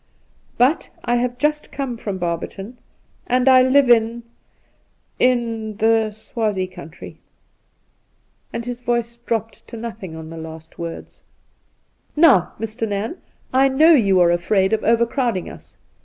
' But I have just come from Barberton, and I live in — in the Swazie country.' And his voice dropped to nothing on the last words. ' Now, Mr. Nairn, I know you are afraid of over crowding us.